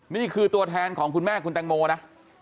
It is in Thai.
นี่คือตัวแทนของคุณแม่คุณแตงโมนะ